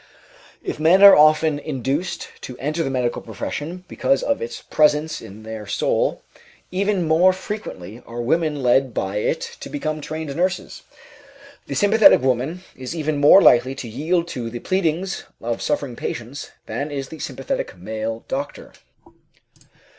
If men are often induced to enter the medical profession because of its presence in their soul, even more frequently are women led by it to become trained nurses. The sympathetic woman is even more likely to yield to the pleadings of suffering patients than is the sympathetic male doctor.